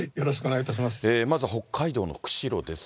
まず北海道の釧路です。